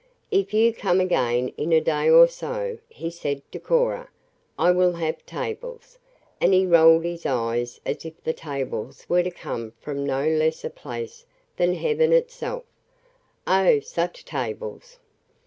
"If you come again in a day or so," he said to Cora, "I will have tables," and he rolled his eyes as if the tables were to come from no less a place than heaven itself. "Oh, such tables!"